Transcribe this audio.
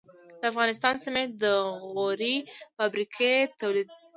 د افغانستان سمنټ د غوري فابریکې تولید دي